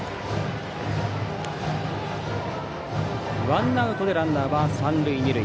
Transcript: ワンアウトランナーは三塁二塁。